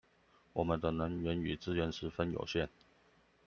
我們的能源與資源十分有限